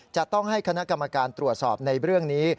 จะต้องให้คณะกรรมการตรวจสอบในเรื่องนี้